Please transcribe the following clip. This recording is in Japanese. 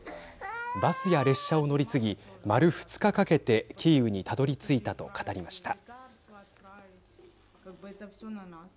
バスや列車を乗り継ぎ丸２日かけてキーウにたどりついたと語りました。